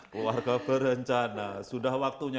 keluarga berencana sudah waktunya